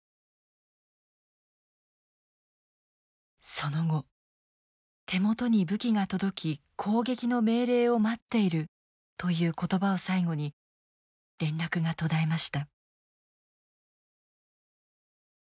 その後手元に武器が届き攻撃の命令を待っているという言葉を最後に連絡が途絶えました。